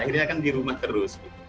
akhirnya kan di rumah terus